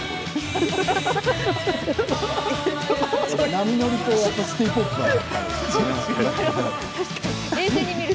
波乗りとシティ・ポップはね。